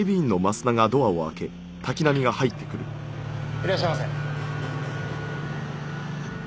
いらっしゃいませ。